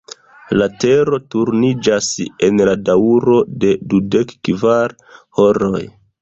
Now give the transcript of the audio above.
La Tero turniĝas en la daŭro de dudekkvar horoj.